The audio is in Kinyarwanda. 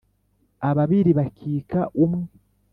Ababiri bakika umwe.